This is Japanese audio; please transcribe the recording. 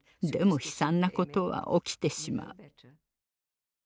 でも悲惨なことは起きてしまう。